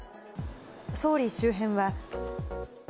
総理周辺は。